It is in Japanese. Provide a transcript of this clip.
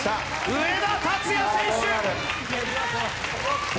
上田竜也選手。